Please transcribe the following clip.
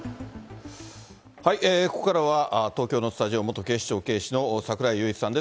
ここからは、東京のスタジオ、元警視庁警視の櫻井裕一さんです。